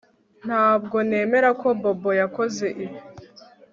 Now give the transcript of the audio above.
Ntabwo nemera ko Bobo yakoze ibi